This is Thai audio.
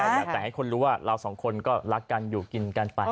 แต่ให้คนรู้ว่าเราสองคนก็รักกันอยู่กินกันไป